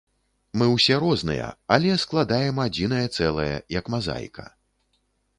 Мы ўсе розныя, але складаем адзінае цэлае, як мазаіка.